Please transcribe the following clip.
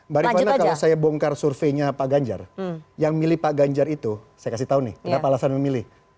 mbak rifana kalau saya bongkar surveinya pak ganjar yang milih pak ganjar itu saya kasih tahu nih kenapa alasan memilih